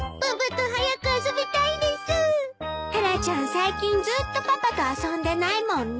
最近ずっとパパと遊んでないもんね。